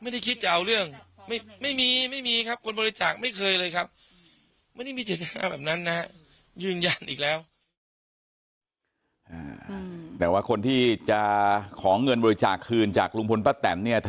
พ่อแจมนะยังไม่ได้ไม่ได้คิดจะเอาเรื่อง